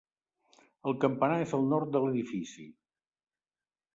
El campanar és al nord de l'edifici.